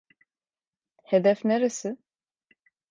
Hedef neresi?